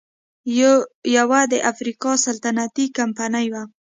یوه د افریقا سلطنتي کمپنۍ وه.